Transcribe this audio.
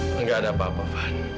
enggak ada apa apa pak